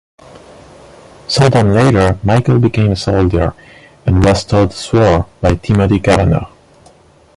Sometime later Michael became a soldier, and was taught the sword by Timothy Cavanaugh.